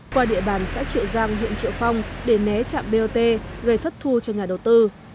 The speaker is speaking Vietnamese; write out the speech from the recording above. qua địa bàn xã triệu giang huyện triệu phong để né trạm bot gây thất thu cho nhà đầu tư